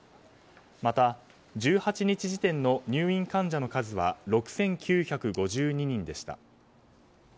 また、１８日時点の入院患者の数は６９５２人でした。